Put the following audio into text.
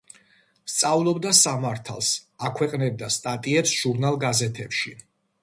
სწავლობდა სამართალს, აქვეყნებდა სტატიებს ჟურნალ-გაზეთებში.